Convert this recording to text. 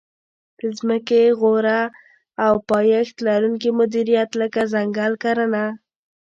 د ځمکې غوره او پایښت لرونکې مدیریت لکه ځنګل کرنه.